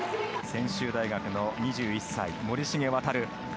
専修大学の２１歳森重航。